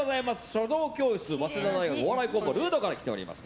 書道教室、早稲田大学お笑い工房ＬＵＤＯから来ています。